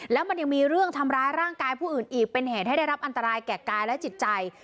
แล้วมันยังมีเรื่องทำร้ายร่างกายผู้อื่นอีกเป็นเหตุให้ได้รับอันตรายแก่กายและจิตใจ